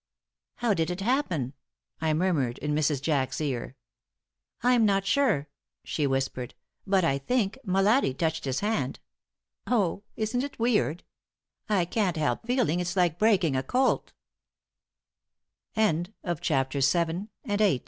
"How did it happen?" I murmured in Mrs. Jack's ear. "I'm not sure," she whispered, "but I think Molatti touched his hand. Oh, isn't it weird? I can't help feeling it's like breaking a colt." *CHAPTER IX.* *AN UNRECORDED OPUS.